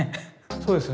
そうですよね。